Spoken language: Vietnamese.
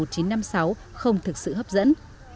cũng không thực sự hấp dẫn